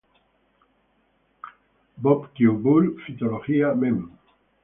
Bot., Kew Bull., Phytologia, Mem.